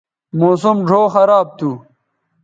موسم ڙھؤ خراب تھو